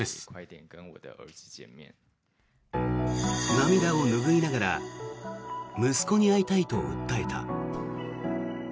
涙を拭いながら息子に会いたいと訴えた。